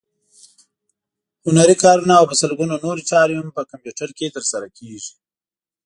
هنري کارونه او په سلګونو نورې چارې هم په کمپیوټر کې ترسره کېږي.